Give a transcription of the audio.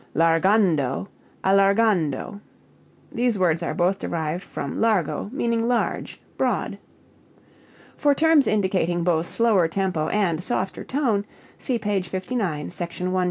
Largando, allargando. These words are both derived from largo, meaning large, broad. (For terms indicating both slower tempo and softer tone, see page 59, Sec. 127.)